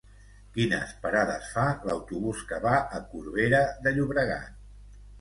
Quines parades fa l'autobús que va a Corbera de Llobregat?